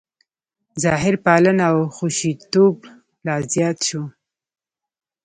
ظاهرپالنه او حشویتوب لا زیات شو.